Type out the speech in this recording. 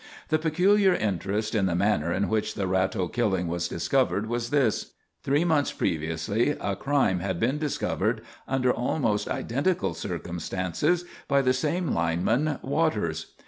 The peculiar interest in the manner in which the Ratto killing was discovered was this: three months previously a crime had been discovered under almost identical circumstances by the same lineman, Waters.